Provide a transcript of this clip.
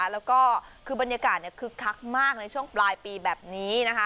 แล้วก็คือบรรยากาศคึกคักมากในช่วงปลายปีแบบนี้นะคะ